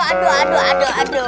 aduh aduh aduh aduh aduh